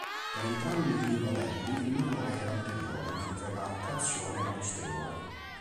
Per entrambi i modelli il motore era anteriore, mentre la trazione era posteriore.